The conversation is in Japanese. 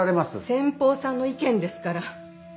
先方さんの意見ですから。